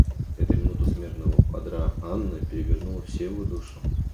Эта минута у смертного одра Анны перевернула всю его душу.